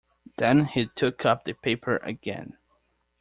Then he took up the paper again.